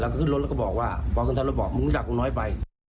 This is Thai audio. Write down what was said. แล้วก็ขึ้นรถแล้วก็บอกว่าบอกกันท่านแล้วบอกมึงจักรงน้อยไป